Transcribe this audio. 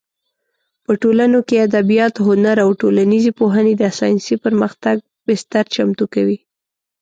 په ټولنو کې ادبیات، هنر او ټولنیزې پوهنې د ساینسي پرمختګ بستر چمتو کوي.